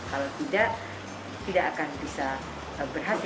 kalau tidak tidak akan bisa berhasil